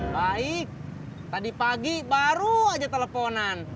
baik tadi pagi baru aja teleponan